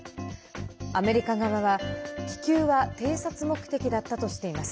アメリカ側は、気球は偵察目的だったとしています。